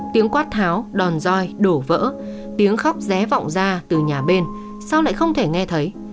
tiếng quát tháo đòn roi đổ vỡ tiếng khóc dé vọng ra từ nhà bên sau lại không thể nghe thấy